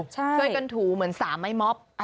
ช่วยกันถูเหมือน๓ไม้ม็อบ